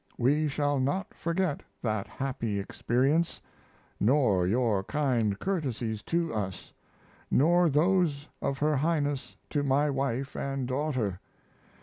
We shall not forget that happy experience, nor your kind courtesies to us, nor those of her Highness to my wife & daughter.